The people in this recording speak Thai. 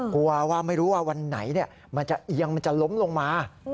กลัวว่าไม่รู้ว่าวันไหนมันจะเอียงมันจะล้มลงมา